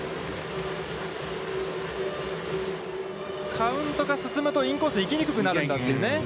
カウントが進むと、インコース行きにくくなるんだというね。